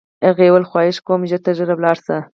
هغې وویل: خواهش کوم، ژر تر ژره ولاړ شه.